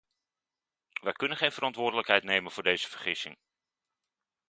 Wij kunnen geen verantwoordelijkheid nemen voor deze vergissing.